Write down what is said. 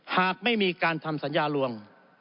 หากไม่มีการทำสัญญาลวง